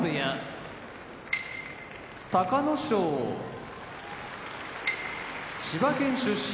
隆の勝千葉県出身